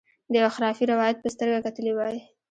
د یوه خرافي روایت په سترګه کتلي وای.